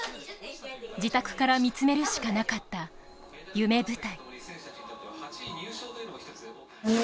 自宅から見つめるしかなかった夢舞台。